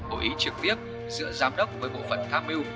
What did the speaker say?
cố ý trực tiếp giữa giám đốc với bộ phận tham mưu